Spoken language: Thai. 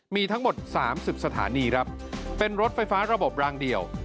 มีทั้งหมด๓๐สถานีครับเป็นรถไฟฟ้าระบบรางเดียว